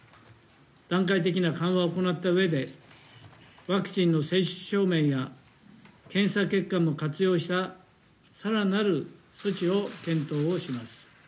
段階的な緩和を行ったうえで、ワクチンの接種証明や、検査結果を活用した、さらなる措置を検討をします。